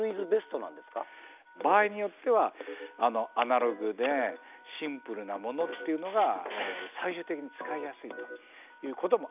場合によってはアナログでシンプルなものというのが最終的に使いやすいということもありえますよね。